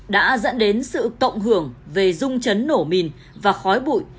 đã dẫn đến sự cộng hưởng về dung chấn nổ mìn và khói bụi